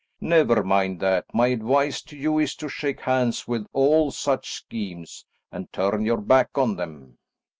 Never mind that; my advice to you is to shake hands with all such schemes, and turn your back on them."